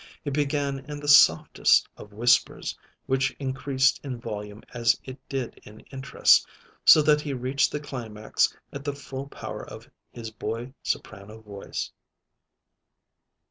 He began in the softest of whispers, which increased in volume as it did in interest, so that he reached the climax at the full power of his boy soprano voice.